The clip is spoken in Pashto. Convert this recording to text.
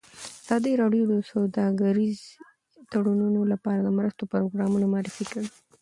ازادي راډیو د سوداګریز تړونونه لپاره د مرستو پروګرامونه معرفي کړي.